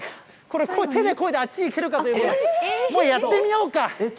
これ、手でこいであっちに行けるかということで、もうやってみようか。